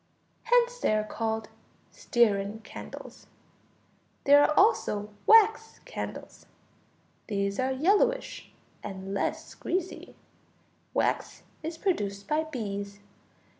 Hence they are called stearine candles. There are also wax candles. These are yellowish and less greasy. Wax is produced by bees.